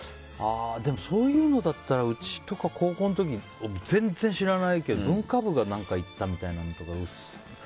そういうのだったらうちとか高校の時に全然、知らないけど文化部が行ったとか。